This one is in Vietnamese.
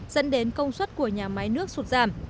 dẫn đến công suất của nhà máy nước sụt giảm